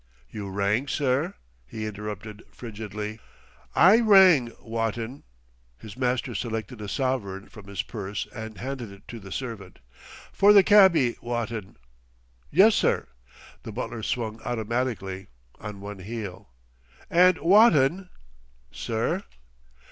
"You rang, sir?" he interrupted frigidly. "I rang, Wotton." His master selected a sovereign from his purse and handed it to the servant. "For the cabby, Wotton." "Yes sir." The butler swung automatically, on one heel. "And Wotton!" "Sir?"